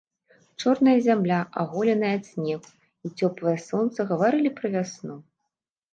Чорная зямля, аголеная ад снегу, і цёплае сонца гаварылі пра вясну.